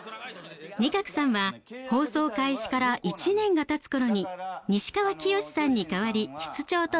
仁鶴さんは放送開始から１年がたつ頃に西川きよしさんに代わり室長となりました。